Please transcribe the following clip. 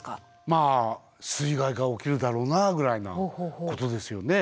まあ水害が起きるだろうなあぐらいなことですよね。